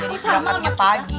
jadi pulangannya pagi